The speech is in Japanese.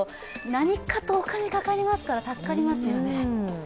何かとお金かかりますから助かりますよね。